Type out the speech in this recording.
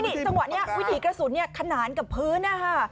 นี่จังหวัดนี่วิถีกระสุนขนานกับพื้นนะคะ